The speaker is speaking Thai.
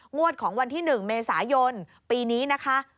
งวดของวันที่๑เมษายนปีนี้นะคะ